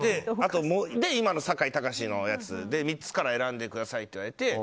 で、今の酒井貴士の３つから選んでくださいって言われて。